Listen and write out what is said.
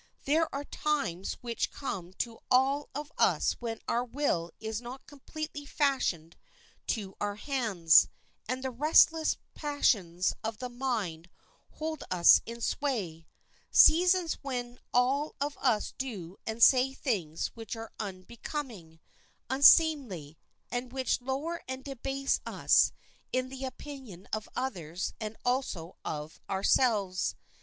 There are times which come to all of us when our will is not completely fashioned to our hands, and the restless passions of the mind hold us in sway—seasons when all of us do and say things which are unbecoming, unseemly, and which lower and debase us in the opinion of others and also of ourselves.